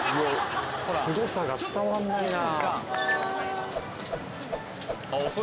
すごさが伝わんないな。